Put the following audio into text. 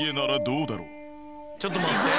ちょっと待って。